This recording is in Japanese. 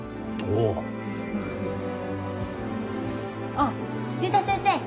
あっ竜太先生！